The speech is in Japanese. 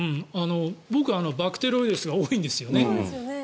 僕、バクテロイデスが多いんですよね。